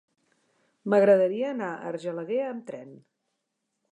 M'agradaria anar a Argelaguer amb tren.